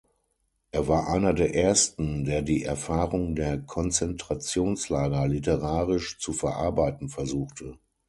Er war einer der ersten, der die Erfahrung der Konzentrationslager literarisch zu verarbeiten versuchte.